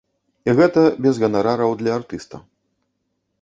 І гэта без ганарараў для артыста.